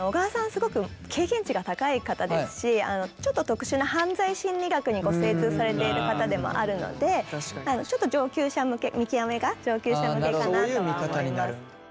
すごく経験値が高い方ですしちょっと特殊な犯罪心理学にご精通されている方でもあるのでちょっと見極めが上級者向けかなとは思います。